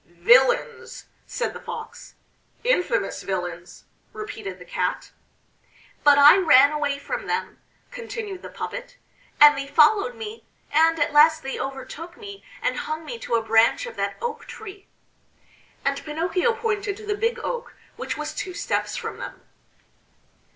"Villains!" said the Fox. "Infamous villains!" repeated the Cat. "But I ran away from them," continued the puppet, "and they followed me, and at last they overtook me and hung me to a branch of that oak tree." And Pinocchio pointed to the Big Oak, which was two steps from them.